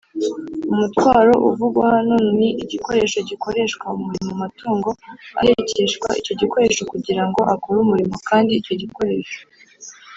umutwaro uvugwa hano ni igikoresho gikoreshwa mu murimo amatungo ahekeshwa icyo gikoresho kugira ngo akore umurimo kandi icyo gikoresho